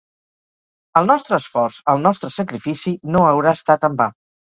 El nostre esforç, el nostre sacrifici no haurà estat en va.